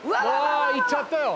あ行っちゃったよ